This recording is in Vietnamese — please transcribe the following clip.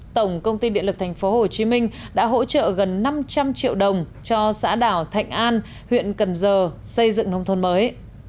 tổng công ty điện lực thành phố hồ chí minh đã hỗ trợ gần năm trăm linh triệu đồng cho xã đảo thạnh an huyện cần giờ xây dựng nông thôn mới